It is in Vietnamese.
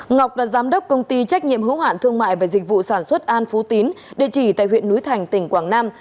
ngọc là giám đốc công ty trách nhiệm hữu hạn thương mại và dịch vụ sản xuất an phú tín địa chỉ tại huyện núi thành tỉnh quảng nam